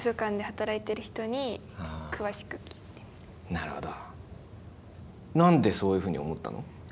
なるほど。